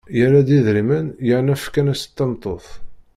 Yerra-d idrimen yerna fkan-as-d tameṭṭut.